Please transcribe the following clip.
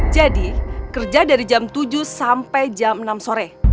jadi kerja dari jam tujuh sampai jam enam sore